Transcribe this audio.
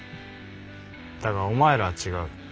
だがお前らは違う。